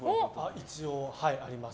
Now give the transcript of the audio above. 一応あります。